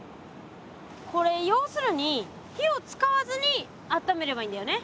これ要するに火を使わずにあっためればいいんだよね？